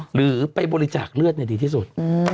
หรือไปบริจาคเลือดดีที่สุด